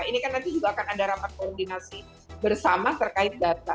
ini kan nanti juga akan ada rapat koordinasi bersama terkait data